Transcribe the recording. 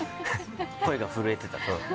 声が震えてた。